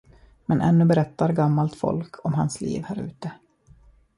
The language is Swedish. Men ännu berättar gammalt folk om hans liv här ute.